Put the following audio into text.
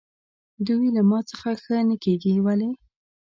دوی له ما څخه ښه نه کېږي، ولې؟